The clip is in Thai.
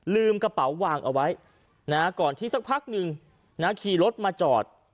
ลืมกระเป๋าวางเอาไว้นะฮะก่อนที่สักพักนึงนะฮะขี่รถมาจอด